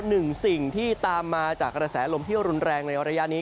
หนึ่งสิ่งที่ตามมาจากกระแสลมที่รุนแรงในระยะนี้